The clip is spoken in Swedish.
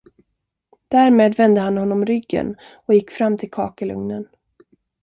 Därmed vände han honom ryggen och gick fram till kakelugnen.